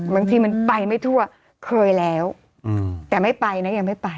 บางทีมันไปไม่ทั่วเคยแล้วแต่ไม่ไปนะยังไม่ไป